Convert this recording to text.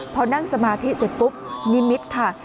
พอนั่งสมาธิเสร็จปุ๊บนิมิตรค่ะ